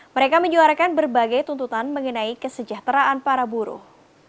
mereka menyuarakan berbagai tuntutan mengenai kesejahteraan para buruh